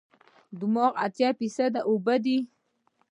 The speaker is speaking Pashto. دماغ اتیا فیصده اوبه دي.